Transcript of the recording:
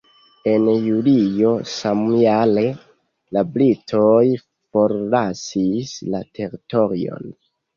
En julio samjare, la britoj forlasis la teritorion.